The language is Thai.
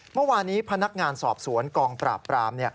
เมื่อวานี้พนักงานสอบสวนกองปราบปราม